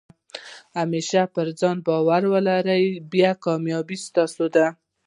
همېشه پر ځان بارو ولرئ، بیا کامیابي ستاسي ده.